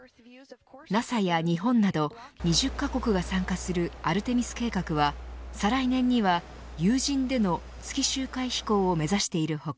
ＮＡＳＡや日本など２０カ国が参加するアルテミス計画は、再来年には有人での月周回飛行を目指している他